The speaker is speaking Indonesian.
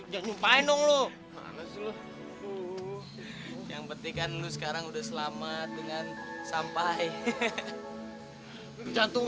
jangan nyumpain lo yang pentingkan lu sekarang udah selamat dengan sampai jatuh